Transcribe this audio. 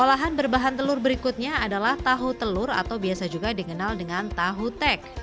olahan berbahan telur berikutnya adalah tahu telur atau biasa juga dikenal dengan tahu tek